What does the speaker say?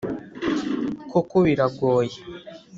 koko biragoye